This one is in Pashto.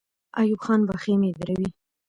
ایوب خان به خېمې دروي.